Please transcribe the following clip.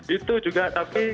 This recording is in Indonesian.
itu juga tapi